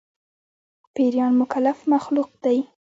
پيريان مکلف مخلوق دي